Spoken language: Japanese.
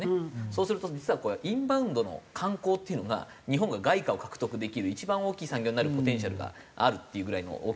そうすると実はこれインバウンドの観光っていうのが日本が外貨を獲得できる一番大きい産業になるポテンシャルがあるっていうぐらいの大きさなんですよね。